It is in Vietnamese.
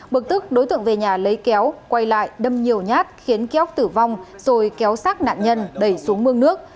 bực tức đối tượng về nhà lấy kéo quay lại đâm nhiều nhát khiến keok tử vong rồi kéo sát nạn nhân đẩy xuống mương nước